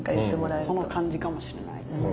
その感じかもしれないですね。